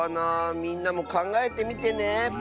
みんなもかんがえてみてね。